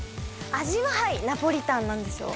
味ははいナポリタンなんですよ